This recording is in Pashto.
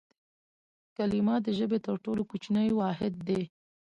کلیمه د ژبي تر ټولو کوچنی واحد دئ.